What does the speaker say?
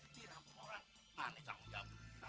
tira pun orang mana sanggup jawab kita